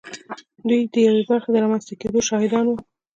دوی د یوې برخې د رامنځته کېدو شاهدان وو